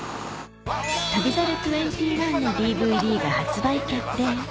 『旅猿２１』のＤＶＤが発売決定